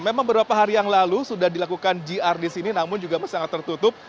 memang beberapa hari yang lalu sudah dilakukan gr di sini namun juga sangat tertutup